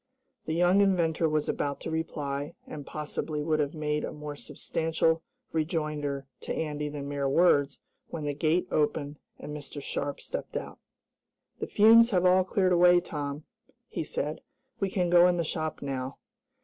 The young inventor was about to reply, and, possibly would have made a more substantial rejoinder to Andy than mere words, when the gate opened, and Mr. Sharp stepped out. "The fumes have all cleared away, Tom," he said. "We can go in the shop, now."